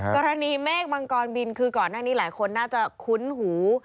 กรณีเมฆมังกรบินคือก่อนหน้านี้หลายคนน่าจะคุ้นหู